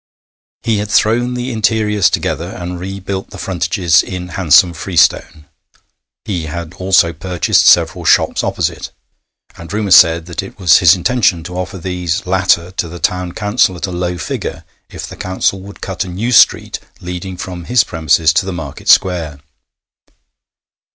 He had thrown the interiors together and rebuilt the frontages in handsome freestone. He had also purchased several shops opposite, and rumour said that it was his intention to offer these latter to the Town Council at a low figure if the Council would cut a new street leading from his premises to the Market Square.